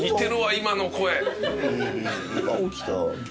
「今起きた」